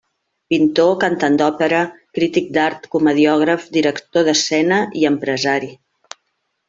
Pintor, cantant d'òpera, crític d'art, comediògraf, director d'escena i empresari.